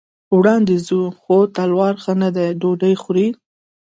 وړاندې ځو، خو تلوار ښه نه دی، ډوډۍ خورئ.